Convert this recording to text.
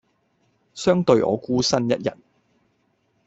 相對我孤身一人